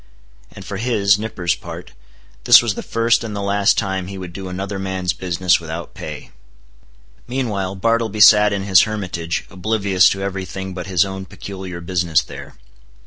And for his (Nippers') part, this was the first and the last time he would do another man's business without pay. Meanwhile Bartleby sat in his hermitage, oblivious to every thing but his own peculiar business there.